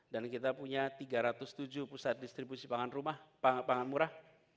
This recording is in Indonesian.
dan kita punya tiga ratus tujuh pusat distribusi pangan murah